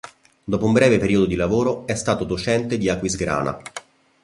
Dopo un breve periodo di lavoro è stato docente di Aquisgrana.